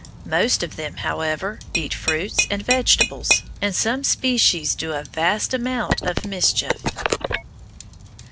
Most of them, however, eat fruits and vegetables, and some species do a vast amount of mischief.